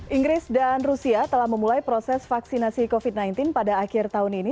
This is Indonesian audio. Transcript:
inggris dan rusia telah memulai proses vaksinasi covid sembilan belas pada akhir tahun ini